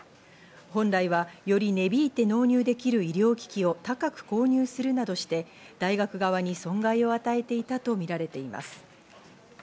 本来はより値引いて納入できる医療機器を高く購入するなどして大学側に損害を与えていたとみられています。